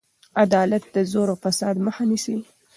عدالت د زور او فساد مخه نیسي.